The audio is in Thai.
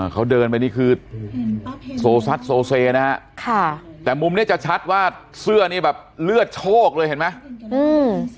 เขาเดินไปนี่คือโซซัดโซเซนะฮะค่ะแต่มุมเนี้ยจะชัดว่าเสื้อนี่แบบเลือดโชคเลยเห็นไหมอืม